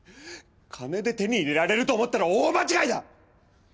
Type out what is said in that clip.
金で手に入れられると思ったら大間違いだ！